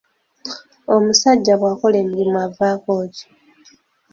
Omusajja bw'akola emirimu avaako ki?